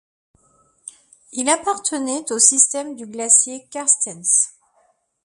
Il appartenait au système du glacier Carstensz.